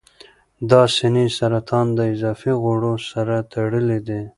د سینې سرطان د اضافي غوړو سره تړلی دی.